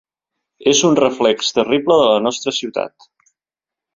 És un reflex terrible de la nostra ciutat.